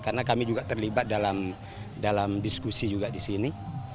karena kami juga terlibat dalam diskusi juga di sini